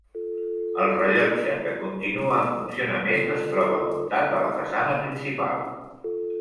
El rellotge, que continua en funcionament, es troba muntat a la façana principal.